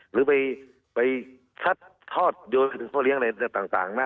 หรือไปซัดทอดโยนไปถึงพ่อเลี้ยงอะไรต่างนะ